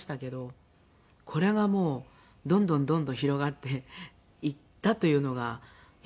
これがもうどんどんどんどん広がっていったというのがやはり。